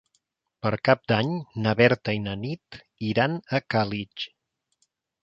Per Cap d'Any na Berta i na Nit iran a Càlig.